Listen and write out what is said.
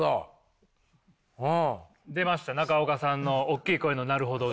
出ました中岡さんのおっきい声の「なるほど」が。